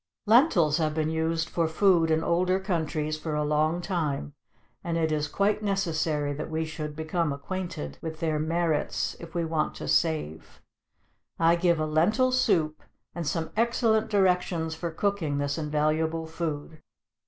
= Lentils have been used for food in older countries for a long time, and it is quite necessary that we should become acquainted with their merits if we want to save; I give a lentil soup, and some excellent directions for cooking this invaluable food.